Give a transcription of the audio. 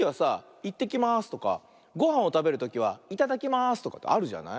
「いってきます」とかごはんをたべるときは「いただきます」とかってあるじゃない？